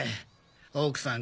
奥さん